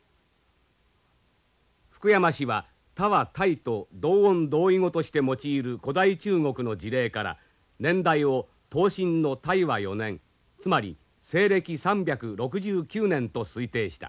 福山氏は「太」は「泰」と同音同意語として用いる古代中国の事例から年代を東晋の太和４年つまり西暦３６９年と推定した。